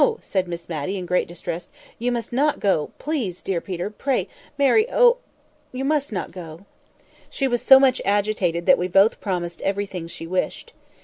said Miss Matty, in great distress—"you must not go; please, dear Peter—pray, Mary—oh! you must not go!" She was so much agitated that we both promised everything she wished.